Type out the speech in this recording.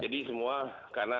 jadi semua karena